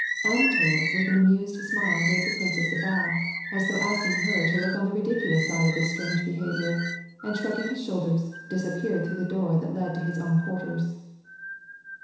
Anatol with an amused smile gave the princess a bow, as though asking her to look on the ridiculous side of this strange behavior, and shrugging his shoulders, disappeared through the door that led to his own quarters.